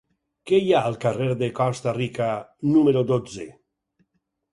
Què hi ha al carrer de Costa Rica número dotze?